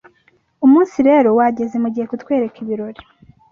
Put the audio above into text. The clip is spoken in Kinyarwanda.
umunsi rero wageze, mugiye ku twereka ibirori